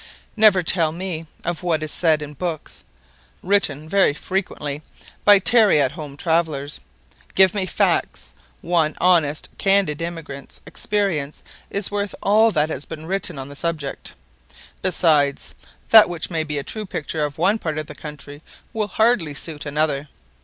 Never tell me of what is said in books, written very frequently by tarry at home travellers. Give me facts. One honest, candid emigrant's experience is worth all that has been written on the subject. Besides, that which may be a true picture of one part of the country will hardly suit another.